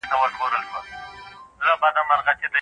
شاعر خپل درد په کلمو کي نغښتی و.